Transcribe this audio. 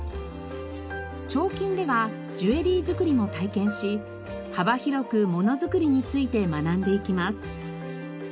彫金ではジュエリー作りも体験し幅広くものづくりについて学んでいきます。